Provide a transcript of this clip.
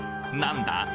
何だ？